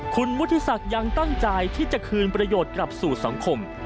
คุณวุฒิศักดิ์ยังตั้งใจที่จะคืนประโยชน์กลับสู่สังคม